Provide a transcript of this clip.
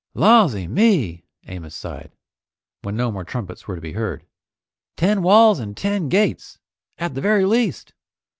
"Lawsy me!" Amos sighed, when no more trumpets were to be heard. "Ten walls and ten gates at the very least!